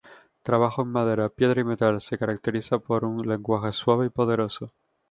Trabajo en madera, piedra y metal; se caracteriza por un lenguaje suave y poderoso.